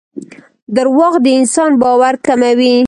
دراوغ دانسان باور کموي